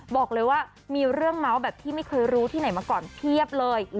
บอกเลยว่ามีเรื่องเมาส์แบบที่ไม่เคยรู้ที่ไหนมาก่อนเพียบเลย